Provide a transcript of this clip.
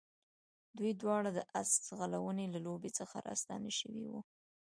دوی دواړه د آس ځغلونې له لوبو څخه راستانه شوي وو.